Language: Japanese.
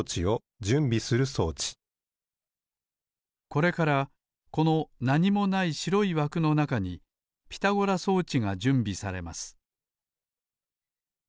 これからこのなにもないしろいわくのなかにピタゴラ装置がじゅんびされます